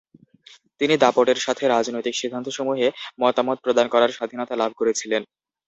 তিনি দাপটের সাথে রাজনৈতিক সিদ্ধান্তসমূহে মতামত প্রদান করার স্বাধীনতা লাভ করেছিলেন।